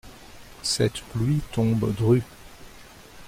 Cette pluie tombe drue.